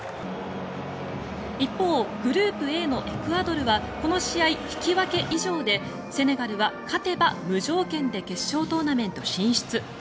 一方、グループＡのエクアドルはこの試合、引き分け以上でセネガルは勝てば無条件で決勝トーナメント進出。